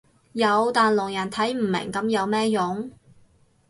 有但聾人睇唔明噉有咩用